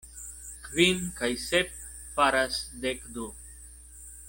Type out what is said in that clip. Kvin kaj sep faras dek du.